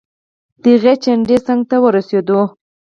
د هغې چنډې څنګ ته ورسیدو.